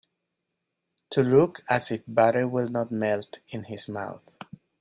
To look as if butter will not melt in his mouth.